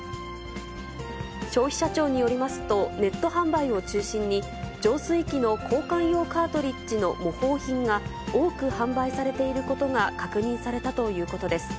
消費者庁によりますと、ネット販売を中心に、浄水器の交換用カートリッジの模倣品が、多く販売されていることが確認されたということです。